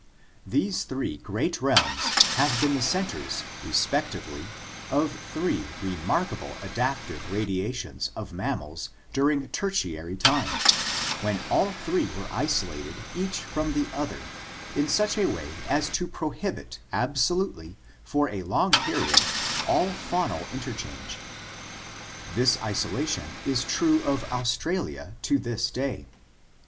These three great realms have been the centers respec tively of three remarkable adaptive radiations of mammals during Tertiary time, when all three were isolated each from the other in such a way as to prohibit absolutely for a long period all faunal interchange. This isolation is true of Australia to this day.